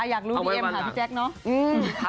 อยากรู้พี่เอ็มค่ะพี่แจ๊คเนอะ